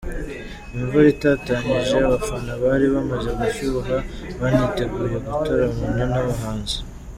Imvura itatanyije abafana bari bamaze gushyuha baniteguye gutaramana n’abahanzi.